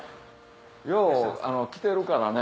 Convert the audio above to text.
よう来てるからね